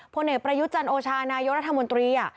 พระเหนียวประยุจันโอชานายกรัฐบนตรี